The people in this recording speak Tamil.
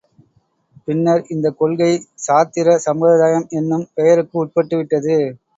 பின்னர் இந்தக் கொள்கை சாத்திர சம்பிரதாயம் என்னும் பெயருக்கு உட்பட்டு விட்டது.